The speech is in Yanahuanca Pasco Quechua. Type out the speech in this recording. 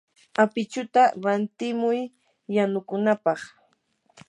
apichuta rantimuy yanukunapaq.